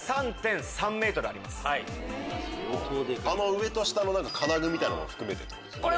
上と下の金具みたいなのも含めてってことですね？